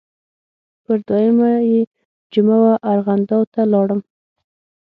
پر دویمه یې جمعه وه ارغنداو ته لاړم.